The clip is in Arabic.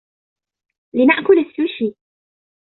لنأكل السوشي.